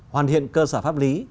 hoàn thiện cơ sở pháp lý